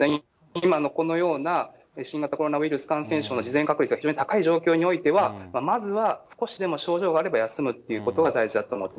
今のこのような新型コロナウイルス感染症の事前確率が非常に高い状況では、まずは少しでも症状があれば休むってことが大事だと思います。